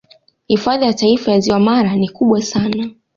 Hifadhi ya Taifa ya ziwa Manyara ni kubwa sana